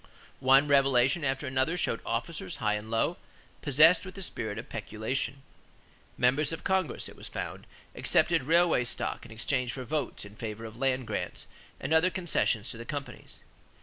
One revelation after another showed officers, high and low, possessed with the spirit of peculation. Members of Congress, it was found, accepted railway stock in exchange for votes in favor of land grants and other concessions to the companies.